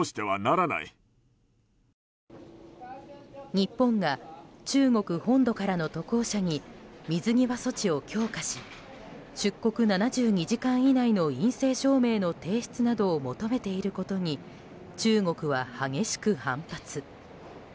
日本が中国本土からの渡航者に水際措置を強化し出国７２時間以内の陰性証明の提出などを求めていることに中国は激しく反発。